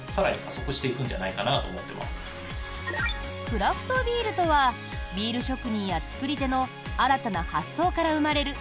クラフトビールとはビール職人や作り手の新たな発想から生まれる